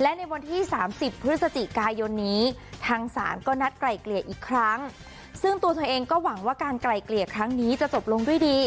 และในวันที่๓๐พฤศจิกายนนี้ทางศาลก็นัดไกลเกลี่ยอีกครั้งซึ่งตัวเธอเองก็หวังว่าการไกลเกลี่ยครั้งนี้จะจบลงด้วยดี